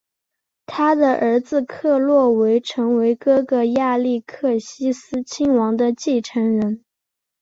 他的儿子克洛维成为哥哥亚历克西斯亲王的继承人。